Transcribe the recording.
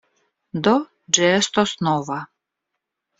Do, ĝi estos nova.